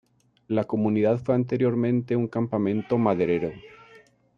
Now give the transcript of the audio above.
La comunidad fue anteriormente un campamento maderero.